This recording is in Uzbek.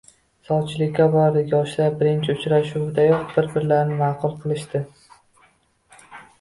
Sovchilikka bordik, yoshlar birinchi uchrashuvdayoq bir-birlariga ma`qul kelishdi